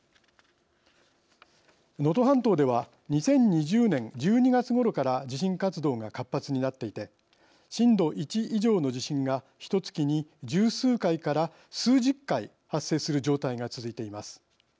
能登半島では２０２０年１２月ごろから地震活動が活発になっていて震度１以上の地震がひとつきに十数回から数十回発生する状態が続いています。